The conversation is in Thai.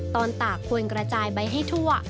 ตอนตากควรกระจายใบให้ทั่ว